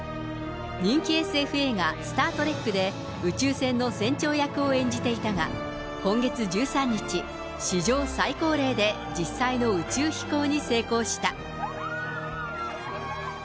人気ＳＦ映画、スター・トレックで宇宙船の船長役を演じていたが、今月１３日、史上最高齢で実際の宇宙飛行に成功した。